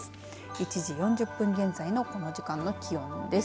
１時４０分現在のこの時間の気温です。